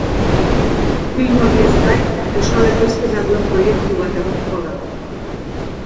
Film horiez gain, euskal ekoizpena duen proiektu bat egongo da.